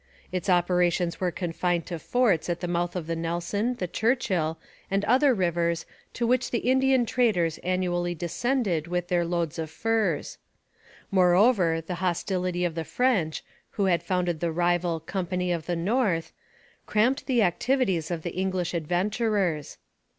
Its operations were confined to forts at the mouth of the Nelson, the Churchill, and other rivers to which the Indian traders annually descended with their loads of furs. Moreover, the hostility of the French, who had founded the rival Company of the North, cramped the activities of the English adventurers.